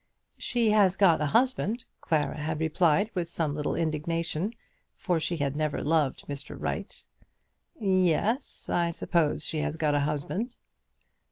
"She has got a husband," Clara had replied with some little indignation, for she had never loved Mr. Wright. "Yes; I suppose she has got a husband."